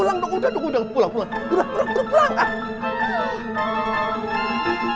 udah dong udah udah udah udah udah